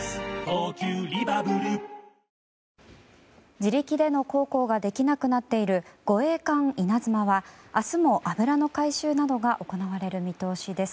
自力での航行ができなくなっている護衛艦「いなづま」は明日も油の回収などが行われる見通しです。